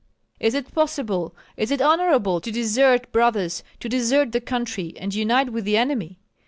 Is it possible, is it honorable, to desert brothers, to desert the country, and unite with the enemy?